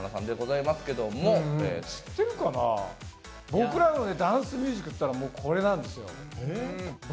僕らのダンスミュージックっていったらこれなんですよ。